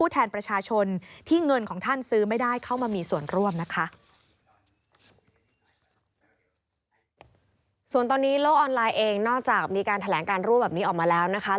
ทางสร้างรูปแบบนี้ออกมาแล้วนะคะ